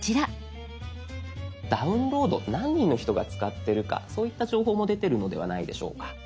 「ダウンロード」何人の人が使ってるかそういった情報も出てるのではないでしょうか。